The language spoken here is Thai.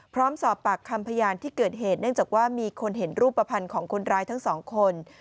พร้อมสอบปากคำพยานที่เกิดเหตุเนื่องจากว่ามีคนเห็นรูปภัณฑ์ของคนร้ายทั้งสองคน